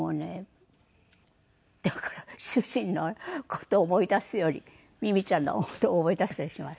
だから主人の事を思い出すよりミミちゃんの事を思い出したりします。